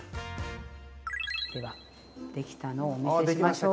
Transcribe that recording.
ではできたのをお見せしましょう。